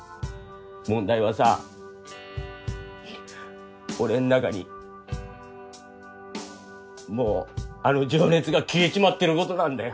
問題はさううっ俺ん中にもうあの情熱が消えちまってることなんだよ。